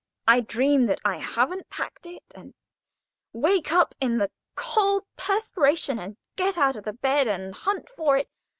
I dream that I haven't packed it, and wake up in a cold perspiration, and get out of bed and hunt for it.